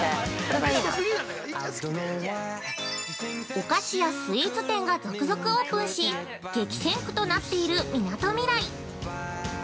◆お菓子やスイーツ店が続々オープンし、激戦区となっているみなとみらい。